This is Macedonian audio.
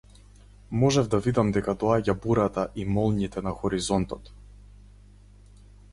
Можев да видам дека доаѓа бурата и молњите на хоризонтот.